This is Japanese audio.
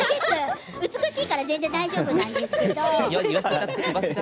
美しいから全然大丈夫なんだけど。